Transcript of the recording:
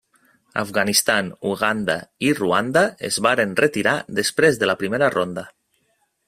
Afganistan, Uganda, i Ruanda es varen retirar després de la primera ronda.